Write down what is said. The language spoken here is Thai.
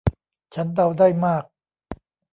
ฉันเดาได้มาก